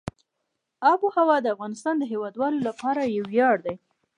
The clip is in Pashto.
آب وهوا د افغانستان د هیوادوالو لپاره یو ویاړ دی.